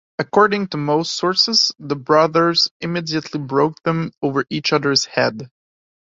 According to most sources, the brothers immediately broke them over each other's head.